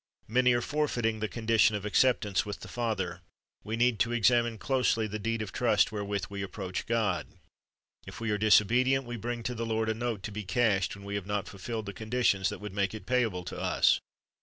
Many are forfeiting the condition of acceptance with the Father. We need to examine closely the deed of trust wherewith we approach God. If we are disobedient, we bring to the Lord a note to be cashed when we have not fulfilled the conditions that would make it payable to us.